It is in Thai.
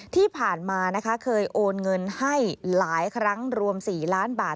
ที่ผ่านมานะคะเคยโอนเงินให้หลายครั้งรวม๔ล้านบาท